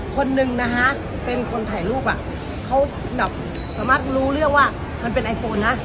คนหนึ่งนะฮะเป็นคนถ่ายรูปอ่ะเขาแบบสามารถรู้เรื่องว่ามันเป็นไอโฟนนะ